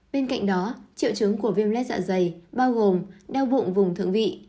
bên cạnh đó triệu chứng của viêm lết dạ dày bao gồm đau bụng vùng thượng vị